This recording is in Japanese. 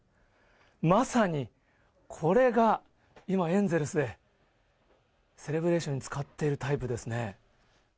まさにこれが、今、エンゼルスでセレブレーションに使っているタイプですね。